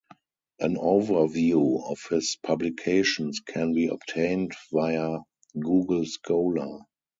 An overview of his publications can be obtained via Google Scholar.